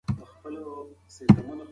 د خلکو په پرده کولو سره به ستا پرده وشي.